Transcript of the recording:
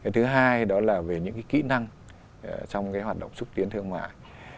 thứ hai đó là về những kỹ năng trong hoạt động xúc tiến thương mại